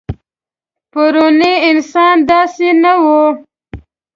پروني انسان داسې نه و.